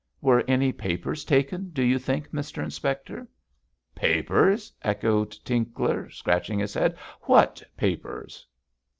'Were any papers taken, do you think, Mr Inspector?' 'Papers!' echoed Tinkler, scratching his head. 'What papers?'